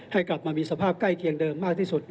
ให้กลับมามีสภาพใกล้เคียงเดิมมากที่สุด